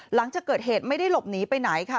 หลังจากเกิดเหตุไม่ได้หลบหนีไปไหนค่ะ